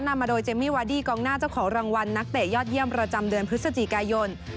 มาโดยเจมมี่วาดี้กองหน้าเจ้าของรางวัลนักเตะยอดเยี่ยมประจำเดือนพฤศจิกายน